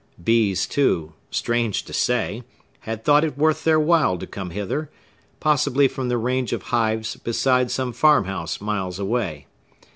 Bees, too,—strange to say,—had thought it worth their while to come hither, possibly from the range of hives beside some farm house miles away.